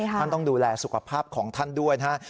ท่านต้องดูแลสุขภาพของท่านด้วยนะครับ